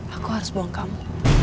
aku harus buang kamu